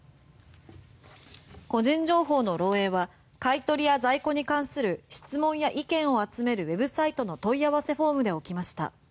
個人情報の漏洩は買い取りや在庫に関する質問や意見を集めるウェブサイトの問い合わせフォームで起きました。